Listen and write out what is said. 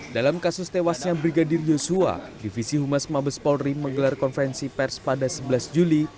dalam kasus tewasnya brigadir yosua divisi humas mabes polri menggelar konferensi pers pada sebelas juli